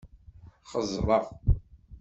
Xeẓṛeɣ.